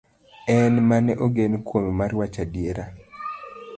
En mane ogen kuome mar wacho adiera.